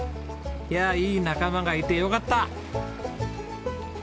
いやいい仲間がいてよかった。